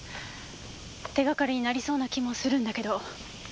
手がかりになりそうな気もするんだけど。